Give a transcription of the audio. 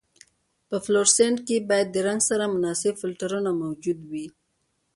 په فلورسنټ کې باید د رنګ سره مناسب فلټرونه موجود وي.